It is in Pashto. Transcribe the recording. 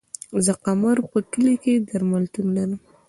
زه قمر په کلي کی درملتون لرم